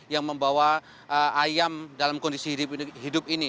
yang membawa ayam dalam kondisi hidup ini